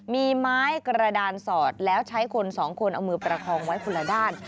มีไม้กระดานสอดแล้วใช้คนสองคนเอามือประคองไว้คนละด้าน